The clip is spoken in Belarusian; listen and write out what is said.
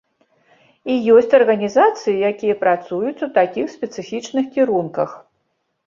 І ёсць арганізацыі, якія працуюць у такіх спецыфічных кірунках.